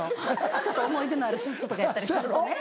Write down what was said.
ちょっと思い出のあるスーツとかやったりするとね。